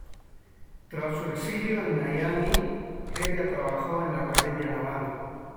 Tras su exilio en Miami, Hevia trabajó en la Academia Naval.